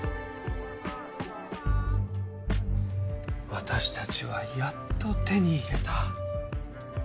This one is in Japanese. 私たちはやっと手に入れた。